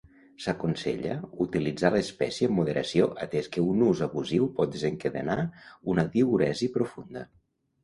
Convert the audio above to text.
S'aconsella utilitzar l'espècie amb moderació atès que un ús abusiu pot desencadenar una diüresi profunda.